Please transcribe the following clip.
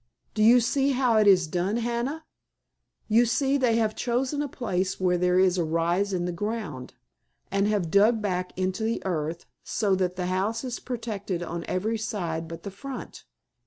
"Do you see how it is done, Hannah? You see they have chosen a place where there is a rise in the ground, and have dug back into the earth so that the house is protected on every side but the front.